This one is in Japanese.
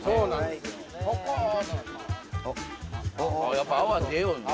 やっぱ泡出よんな。